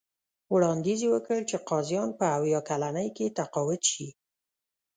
وړاندیز یې وکړ چې قاضیان په اویا کلنۍ کې تقاعد شي.